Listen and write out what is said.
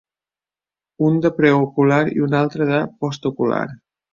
Un de preocular i un altre de postocular.